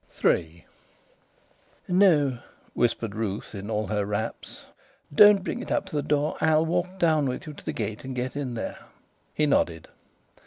III "No," whispered Ruth, in all her wraps. "Don't bring it up to the door. I'll walk down with you to the gate, and get in there." He nodded.